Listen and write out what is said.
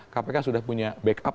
kpk sudah punya backup